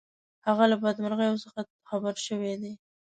هغه له بدمرغیو څخه خبر شوی دی.